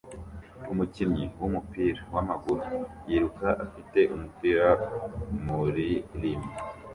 Umukinnyi wumupira wamaguru yiruka afite umupira muririma